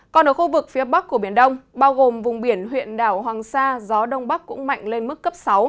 còn ở khu vực phía bắc của biển đông bao gồm vùng biển huyện đảo hoàng sa gió đông bắc cũng mạnh lên mức cấp sáu